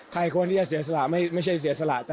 ใครควรที่จะเสียสละไม่ใช่เสียสละ